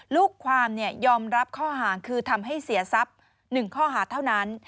ลูกความยอมรับข้อหาคือทำให้เสียทรัพย์๑ข้อหาเท่านั้น